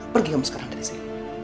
pergi kamu sekarang dari sini